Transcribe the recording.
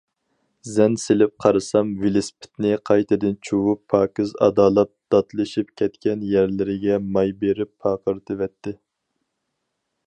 زەن سېلىپ قارىسام، ۋېلىسىپىتىنى قايتىدىن چۇۋۇپ، پاكىز ئادالاپ، داتلىشىپ كەتكەن يەرلىرىگە ماي بېرىپ پارقىرىتىۋەتتى.